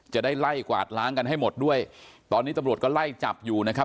จะได้ไล่กวาดล้างกันให้หมดด้วยตอนนี้ตำรวจก็ไล่จับอยู่นะครับ